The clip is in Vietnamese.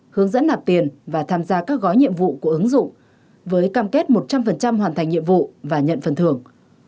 hướng dẫn nạp tiền và tham gia các gói nhiệm vụ của ứng dụng với cam kết một trăm linh hoàn thành nhiệm vụ và nhận phần thưởng